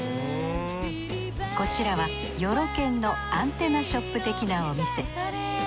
こちらはヨロ研のアンテナショップ的なお店。